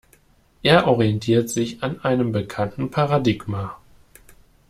Er orientiert sich an einem bekannten Paradigma.